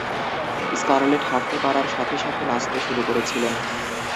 Scarlet হাঁটতে পারার সাথে সাথে নাচতে শুরু করেছিলেন।